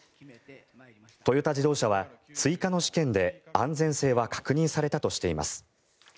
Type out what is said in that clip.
トヨタ自動車は追加の試験で安全性は確認されたとしています。